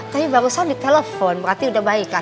tapi barusan di telepon berarti sudah baik kan